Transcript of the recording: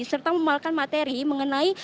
serta memadukan materi mengenai